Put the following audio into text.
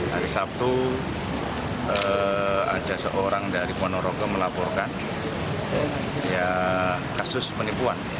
hari sabtu ada seorang dari ponorogo melaporkan kasus penipuan